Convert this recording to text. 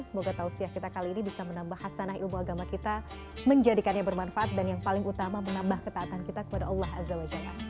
semoga tausiah kita kali ini bisa menambah hasanah ilmu agama kita menjadikannya bermanfaat dan yang paling utama menambah ketaatan kita kepada allah azza wa jalla